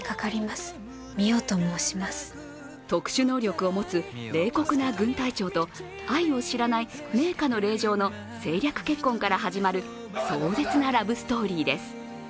特殊能力を持つ冷酷な軍隊長と愛を知らない名家の令嬢の政略結婚から始まる壮絶なラブストーリーです。